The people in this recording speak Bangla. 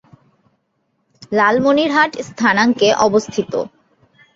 লালমনিরহাট স্থানাঙ্কে অবস্থিত।